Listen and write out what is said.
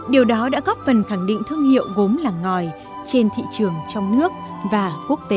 điều đó đã góp phần khẳng định thương hiệu gốm làng ngòi trên thị trường trong nước và quốc tế